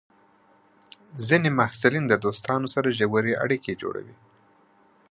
ځینې محصلین د دوستانو سره ژورې اړیکې جوړوي.